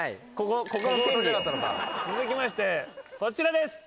続きましてこちらです。